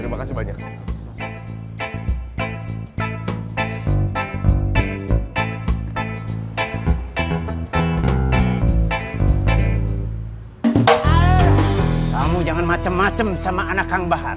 tidak ada kesempatan gantiin bos jamal atau kang umar